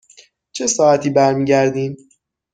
چه ساعتی برمی گردیم؟